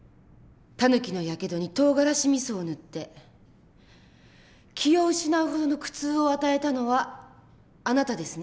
タヌキのやけどにとうがらしみそを塗って気を失うほどの苦痛を与えたのはあなたですね？